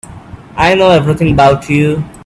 I know everything about you.